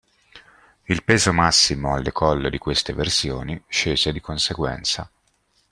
Il peso massimo al decollo di queste versioni, scese di conseguenza.